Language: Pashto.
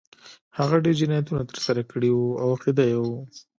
هغه ډېر جنایتونه ترسره کړي وو او عقده اي و